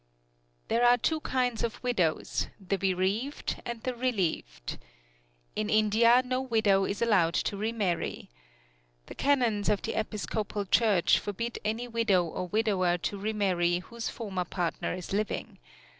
There are two kinds of widows, the bereaved and the relieved. In India no widow is allowed to remarry. The canons of the Episcopal Church forbid any widow or widower to remarry whose former partner is living.